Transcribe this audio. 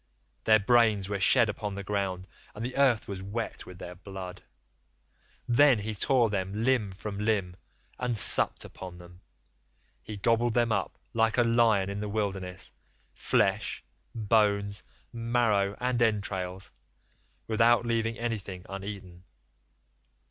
Their brains were shed upon the ground, and the earth was wet with their blood. Then he tore them limb from limb and supped upon them. He gobbled them up like a lion in the wilderness, flesh, bones, marrow, and entrails, without leaving anything uneaten.